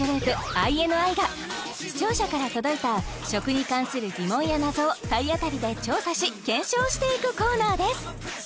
ＩＮＩが視聴者から届いた食に関する疑問や謎を体当たりで調査し検証していくコーナーです